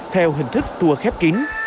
theo hình thức thua khép kín